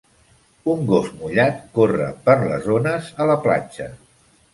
Un gos mullat corre pel les ones a la platja.